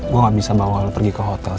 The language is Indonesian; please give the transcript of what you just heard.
gue gak bisa bawa pergi ke hotel